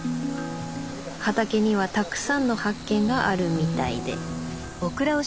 畑にはたくさんの発見があるみたいで。